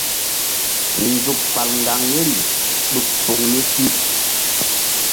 Nzuk fal ŋgaŋ yeri ɗuk poŋ ni pi.